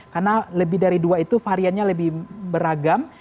karena lebih dari dua itu variannya lebih beragam